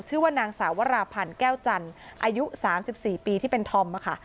ชื่อว่านางสาวราพันธ์แก้วจันทร์อายุ๓๔ปีที่เป็นธอมค่ะ